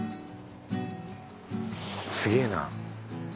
すげえな。